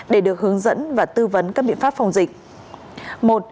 để được hướng dẫn và tư vấn các biện pháp phòng dịch